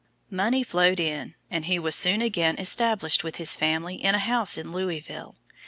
Money flowed in and he was soon again established with his family in a house in Louisville.